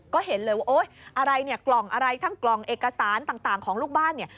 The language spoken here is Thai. ก็เห็นเลยว่าอะไรทั้งกล่องเอกสารต่างของลูกบ้าน